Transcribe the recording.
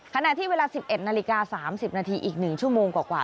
ขณะที่เวลา๑๑นาฬิกา๓๐นาทีอีก๑ชั่วโมงกว่า